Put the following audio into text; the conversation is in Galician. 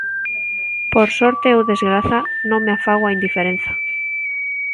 Por sorte ou desgraza, non me afago á indiferenza.